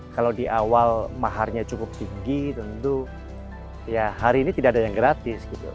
kalau di awal maharnya cukup tinggi tentu ya hari ini tidak ada yang gratis gitu